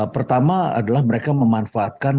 pertama adalah mereka memanfaatkan